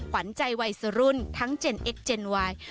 ขวัญใจวัยสรุ่นทั้งเจนเอ็กเจนวาย